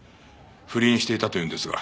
不倫していたというんですが。